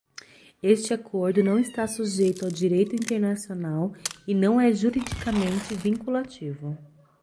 Este acordo não está sujeito ao direito internacional e não é juridicamente vinculativo.